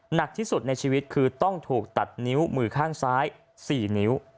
หนักที่สุดในชีวิตคือต้องถูกตัดนิ้วมือข้างซ้าย๔นิ้ว